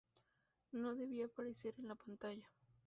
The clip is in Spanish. No debía aparecer en la pantalla.